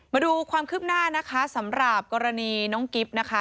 มาดูความคืบหน้านะคะสำหรับกรณีน้องกิ๊บนะคะ